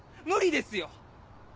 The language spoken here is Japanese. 無理ですよ！